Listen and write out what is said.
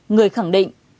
người khẳng định